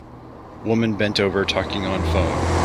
Woman bent over talking on phone.